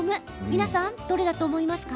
皆さん、どれだと思いますか？